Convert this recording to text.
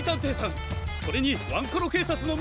それにワンコロけいさつのみなさん！